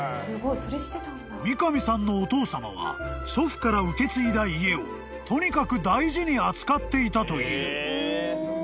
［三上さんのお父さまは祖父から受け継いだ家をとにかく大事に扱っていたという］